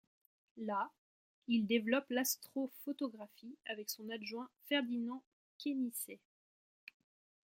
Là, il développe l'astrophotographie avec son adjoint Ferdinand Quénisset.